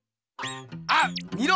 あっ見ろ！